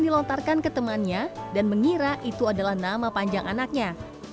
dilontarkan ke temannya dan mengira itu adalah nama panjang anaknya